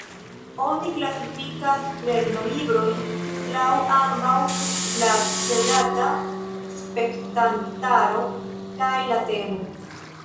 Oni klasifikas lernolibrojn laŭ ambaŭ la celata spektantaro kaj la temo.